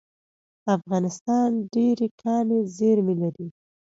افغانستان ډیرې کاني زیرمې لري